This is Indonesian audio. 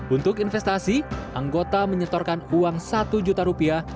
untuk investasi anggota menyetorkan uang satu juta rupiah